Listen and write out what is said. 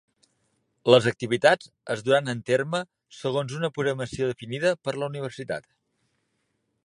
Les activitats es duran en terme segons una programació definida per la Universitat.